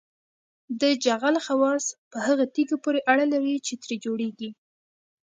د جغل خواص په هغه تیږه پورې اړه لري چې ترې جوړیږي